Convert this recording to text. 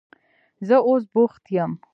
زه اوس بوخت یم.